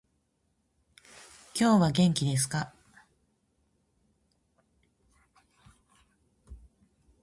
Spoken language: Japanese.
今日は元気ですか？